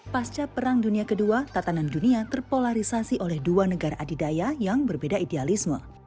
pasca perang dunia ii tatanan dunia terpolarisasi oleh dua negara adidaya yang berbeda idealisme